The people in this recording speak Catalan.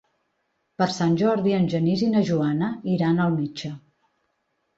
Per Sant Jordi en Genís i na Joana iran al metge.